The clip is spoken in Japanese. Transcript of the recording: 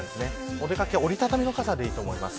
お出掛けは折り畳みの傘でいいと思います。